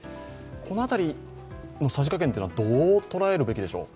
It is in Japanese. この辺りのさじ加減はどう捉えるべきでしょう？